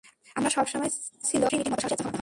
আমার সবসময় চাওয়া ছিল ট্রিনিটির মতো সাহসী একজন হওয়া!